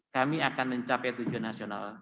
kami akan mencapai tujuan nasional